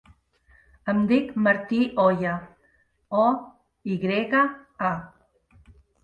Em dic Martí Oya: o, i grega, a.